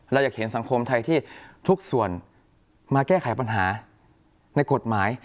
เราอยากเห็นสังคมไทยที่ทุกส่วนมาแก้ไขปัญหาในกฎหมาย